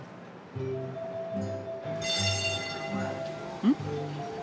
うん？